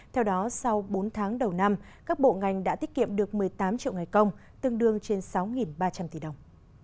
theo đó sau bốn tháng đầu năm các bộ ngành đã tiết kiệm được một mươi tám triệu ngày công tương đương trên sáu ba trăm linh tỷ đồng